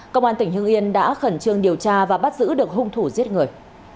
công an tỉnh hưng yên đã khẩn trương điều tra và bắt giữ được hung thủ giết người